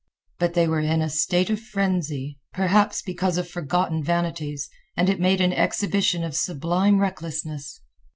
But they were in a state of frenzy, perhaps because of forgotten vanities, and it made an exhibition of sublime recklessness.